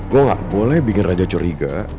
gue gak boleh bikin raja curiga